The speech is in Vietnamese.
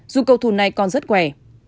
dù cầu thù này còn rất khỏe